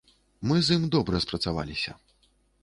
Мы з ім добра спрацаваліся.